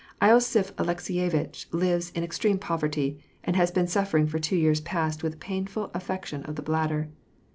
losiph Alekseyevitch lives in ex treme poverty, and has been suffering for two years' past with a painful affection of the bladder.